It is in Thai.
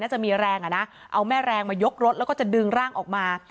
จะมีแรงอ่ะนะเอาแม่แรงมายกรถแล้วก็จะดึงร่างออกมา